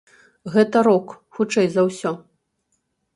Гэта рок, хутчэй за ўсё.